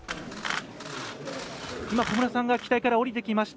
今、小室さんが機体から降りてきました。